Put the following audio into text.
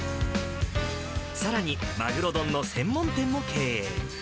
さらにマグロ丼の専門店も経営。